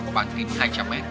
có bản kinh hai trăm linh m